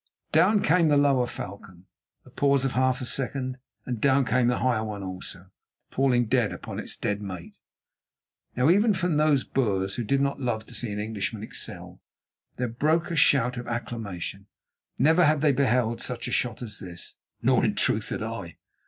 Down came the lower falcon; a pause of half a second, and down came the higher one also, falling dead upon its dead mate! Now, even from those Boers, who did not love to see an Englishman excel, there broke a shout of acclamation. Never had they beheld such a shot as this; nor in truth had I.